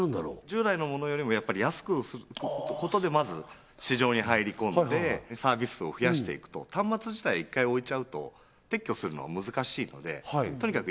従来のものよりもやっぱり安くすることでまず市場に入り込んでサービスを増やしていくと端末自体１回置いちゃうと撤去するのは難しいのでとにかく